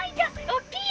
おっきい！